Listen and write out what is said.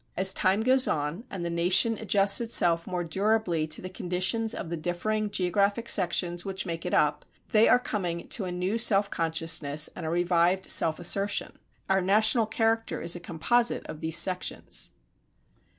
As time goes on and the nation adjusts itself more durably to the conditions of the differing geographic sections which make it up, they are coming to a new self consciousness and a revived self assertion. Our national character is a composite of these sections.